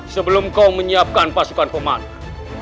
sebelum kau menyiapkan pasukan komandan